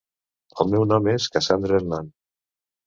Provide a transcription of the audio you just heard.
El meu nom és Cassandra Hernán.